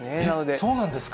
そうなんですか？